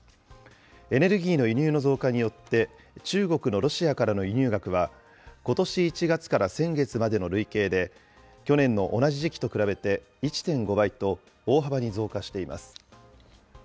エネルギーの輸入の増加によって、中国のロシアからの輸入額は、ことし１月から先月までの累計で、去年の同じ時期と比べて１．５倍と大幅に増加しています。